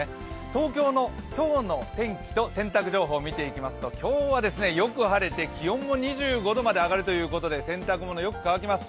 東京の今日の天気と洗濯情報を見ていきますと、今日はよく晴れて気温も２５度まで上がるということで洗濯物、よく乾きます。